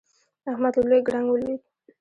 احمد له لوی ګړنګ ولوېد.